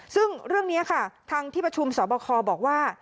ซึ่งเรื่องนี้ค่ะทางที่ประชุมสอบคอบอกว่า